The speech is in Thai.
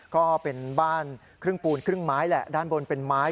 ก็เป็นบ้านครึ่งปูนครึ่งไม้แหละด้านบนเป็นไม้